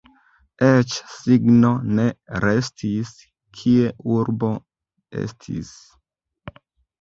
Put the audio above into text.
Eĉ signo ne restis, kie urbo estis.